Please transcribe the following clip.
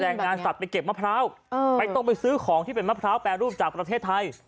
งานสัตว์ไปเก็บมะพร้าวไม่ต้องไปซื้อของที่เป็นมะพร้าวแปรรูปจากประเทศไทย